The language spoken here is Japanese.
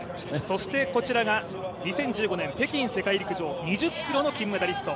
そしてこちらが２０１５年北京世界陸上２０ｋｍの金メダリスト